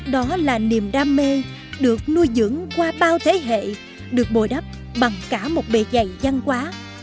đó là niềm đam mê được nuôi dưỡng qua bao thế hệ được bồi đắp bằng cả một bề dày văn hóa